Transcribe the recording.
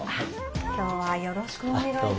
今日はよろしくお願い致します。